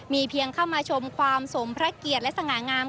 มีเพียงเข้ามาชมความสมพระเกียรติและสง่างาม